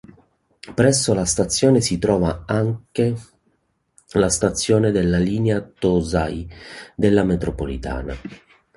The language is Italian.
Presso la stazione si trova anche la stazione della linea Tōzai della metropolitana.